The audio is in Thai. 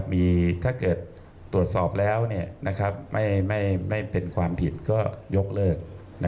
มีถ้าเกิดตรวจสอบแล้วไม่เป็นความผิดก็ยกเลิก